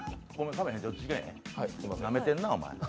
なめてんな、お前。